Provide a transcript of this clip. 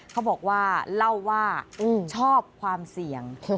เขาบอกว่าเล่าว่าชอบความเสี่ยง